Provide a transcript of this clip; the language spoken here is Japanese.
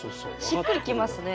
しっくりきますね